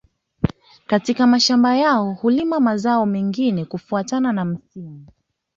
Katika mashamba yao hulima mazao mengine kufuatana na msimu